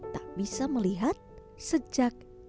jika medan bergerak